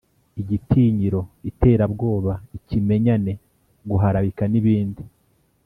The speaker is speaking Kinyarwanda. igitinyiro, iterabwoba, ikimenyane, guharabika n’ibindi.